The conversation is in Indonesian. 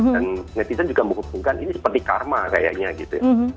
dan netizen juga menghubungkan ini seperti karma kayaknya gitu